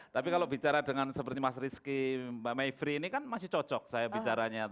tapi kalau bicara dengan seperti mas rizky mbak mayfrey ini kan masih cocok saya bicaranya